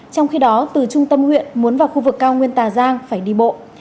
trong khi đó từ trung tâm huyện muốn vào khu vực cao nguyên tà giang phải đi bộ